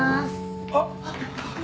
あっ。